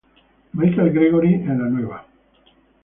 Michelle Gregory en la nueva.